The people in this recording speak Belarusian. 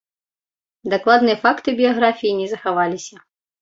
Дакладныя факты біяграфіі не захаваліся.